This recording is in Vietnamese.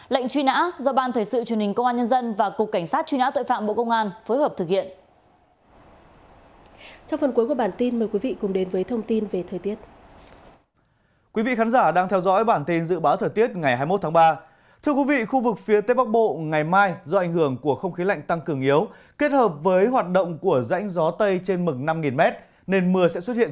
lệnh truy nã do ban thời sự truyền hình công an nhân dân và cục cảnh sát truy nã tội phạm bộ công an phối hợp thực hiện